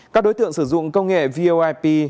các đối tượng sử dụng công nghệ voip